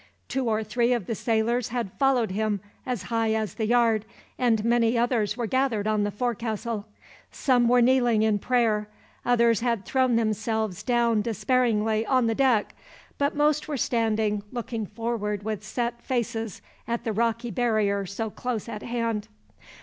Two or three of the sailors had followed him as high as the yard, and many others were gathered on the forecastle. Some were kneeling in prayer, others had thrown themselves down despairingly on the deck, but most were standing, looking forward with set faces at the rocky barrier so close at hand.